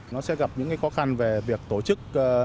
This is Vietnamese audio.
nó sẽ gặp những khó khăn về việc tổ chức